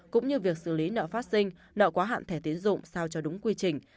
cũng như việc xử lý nợ phát sinh nợ quá hạn thẻ tiến dụng sao cho đúng quy trình